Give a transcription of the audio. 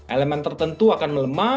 elemen tertentu akan melemah